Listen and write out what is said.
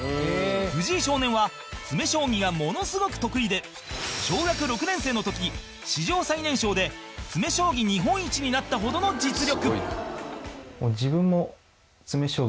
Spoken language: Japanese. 藤井少年は詰将棋が、ものすごく得意で小学６年生の時、史上最年少で詰将棋日本一になったほどの実力